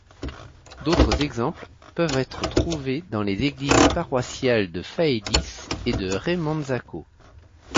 D'autres exemples peuvent être trouvés dans les églises paroissiales de Faedis et Remanzacco.